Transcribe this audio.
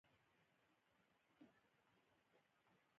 کور بیا پاک کړئ